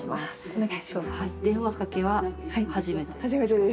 お願いします。